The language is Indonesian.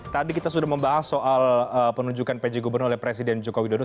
tadi kita sudah membahas soal penunjukan pj gubernur oleh presiden joko widodo